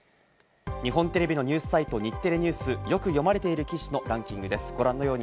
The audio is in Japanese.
日本テレビのニュースサイト・日テレＮＥＷＳでよく読まれている記事のランキングです。